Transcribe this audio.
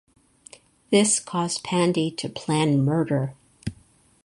This caused Pandi to plan murder.